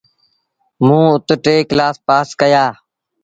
موݩ اُت ٽي ڪلآس پآس ڪيآ۔